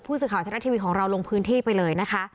ผู้สื่อข่าวอาทิตย์แรกทีวีของเราลงพื้นที่ไปเลยนะคะ